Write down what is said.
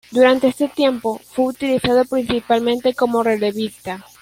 Durante este tiempo, fue utilizado principalmente como relevista.